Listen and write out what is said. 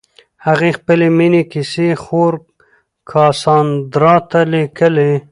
هغې خپلې مینې کیسې خور کاساندرا ته لیکلې.